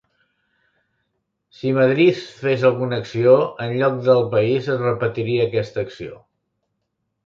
Si Madriz fes alguna acció, enlloc del país es repetiria aquesta acció.